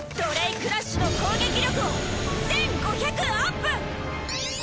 クラッシュの攻撃力を１５００アップ！